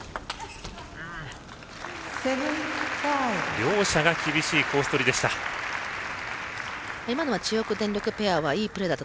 両者が厳しいコースどりでした。